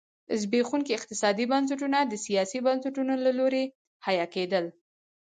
زبېښونکي اقتصادي بنسټونه د سیاسي بنسټونو له لوري حیه کېدل.